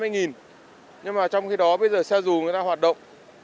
nhưng mà trong khi đó bây giờ xe dù người ta hoạt động